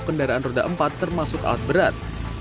kendaraan roda empat termasuk alat berat